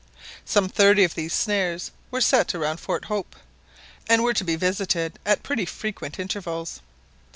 Some thirty of these snares were set round Fort Hope, and were to be visited at pretty frequent intervals.